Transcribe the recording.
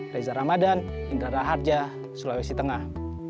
reza ramadan indra raharja sulawesi tengah